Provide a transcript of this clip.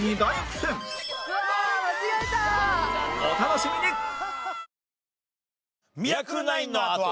お楽しみに